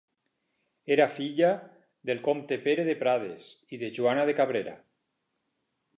Era filla del comte Pere de Prades i de Joana de Cabrera.